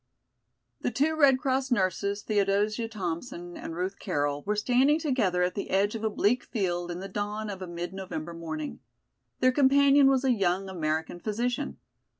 THE two Red Cross nurses, Theodosia Thompson and Ruth Carroll were standing together at the edge of a bleak field in the dawn of a mid November morning. Their companion was a young American physician.